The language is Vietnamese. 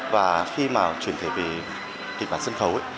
và khi mà truyền thể về kịch bản sân khấu ấy